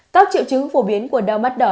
các triệu chứng phổ biến của đau mắt đỏ